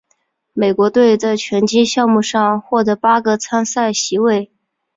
美国队在拳击项目上获得八个参赛席位。